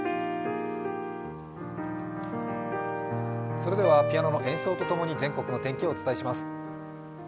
それではピアノの演奏と共に全国の天気をお伝えします。